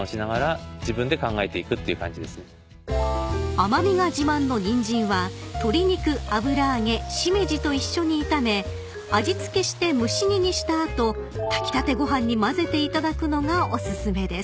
［甘味が自慢のニンジンは鶏肉油揚げシメジと一緒に炒め味付けして蒸し煮にした後炊きたてご飯に混ぜて頂くのがお薦めです］